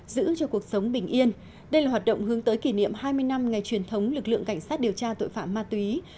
giữ cho cuộc sống bình yên đây là hoạt động hướng tới kỷ niệm hai mươi năm ngày truyền thống lực lượng cảnh sát điều tra tội phạm ma túy